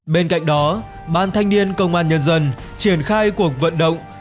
bên cạnh đó ban thanh niên công an nhân dân triển khai cuộc vận động